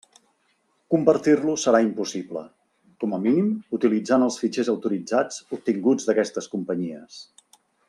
Compartir-los serà impossible, com a mínim utilitzant els fitxers autoritzats obtinguts d'aquestes companyies.